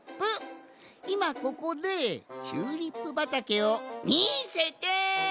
いまここでチューリップばたけをみせて！